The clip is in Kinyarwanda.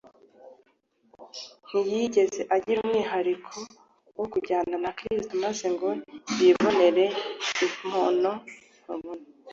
Ntiyigeze agira umwihariko wo kujya na Kristo maze ngo yibonere imbona nkubone